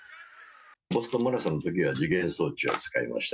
ボストンのマラソンのときは時限装置を使いました。